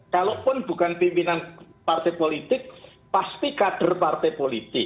kalaupun bukan pimpinan partai politik pasti kader partai politik